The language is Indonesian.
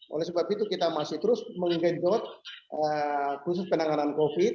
oleh sebab itu kita masih terus mengendot khusus penanganan covid sembilan belas